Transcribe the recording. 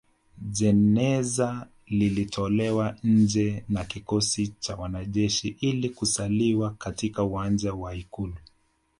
Jeneza lilitolewa nje na kikosi cha wanajeshi ili kusaliwa katika uwanja wa Ikulu